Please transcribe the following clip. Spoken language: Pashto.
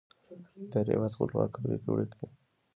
ادارې باید خپلواکه پرېکړې وکړي